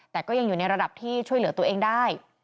แต่ก็ยังอยู่ในระดับที่ช่วยเหลือตัวเองได้